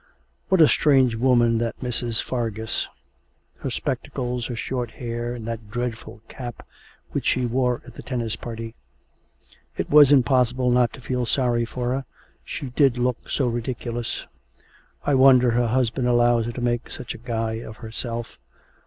'What a strange woman that Mrs. Fargus her spectacles, her short hair, and that dreadful cap which she wore at the tennis party! It was impossible not to feel sorry for her, she did look so ridiculous. I wonder her husband allows her to make such a guy of herself.